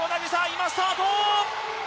今、スタート！